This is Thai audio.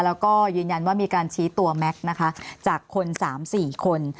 แล้วก็ยืนยันว่ามีการชี้ตัวแม็กซ์นะคะจากคน๓๔คน